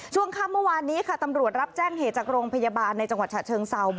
ช่วงค่ำเมื่อวานนี้ค่ะตำรวจรับแจ้งเหตุจากโรงพยาบาลในจังหวัดฉะเชิงเซา